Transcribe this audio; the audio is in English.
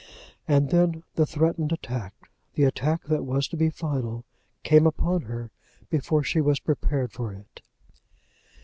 And then the threatened attack, the attack that was to be final, came upon her before she was prepared for it!